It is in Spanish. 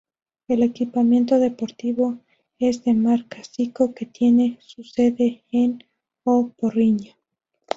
El equipamiento deportivo es de marca Zico, que tiene su sede en O Porriño.